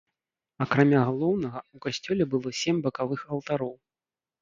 Акрамя галоўнага, у касцёле было сем бакавых алтароў.